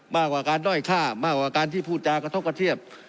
มากกว่าการด้อยฆ่ามากกว่าการที่พูดจากกระทบกระเทียบ